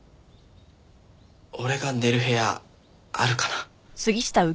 俺が寝る部屋あるかな？